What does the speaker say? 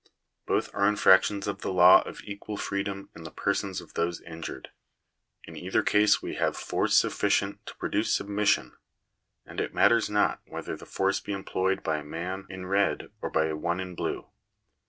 Both are infractions of the law of equal freedom in the persons of those injured. In either case we have force sufficient to pro duce submission; and it matters not whether that force be employed by a man in red or by one in blue.